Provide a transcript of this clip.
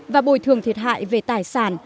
và bồi thường thiệt hại về tài sản